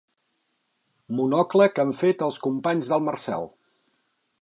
"Monocle" que han fet els companys del Marcel.